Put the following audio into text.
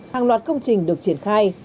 hàng loạt công trình được triển khai